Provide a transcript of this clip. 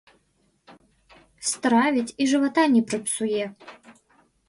Стравіць і жывата не прыпсуе.